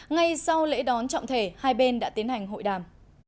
ngay sau lễ đón trọng thể hai bên đã tiến hành hội đàm